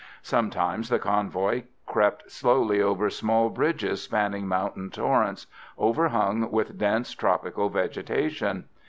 Sometimes the convoy crept slowly over small bridges spanning mountain torrents, overhung with dense, tropical vegetation.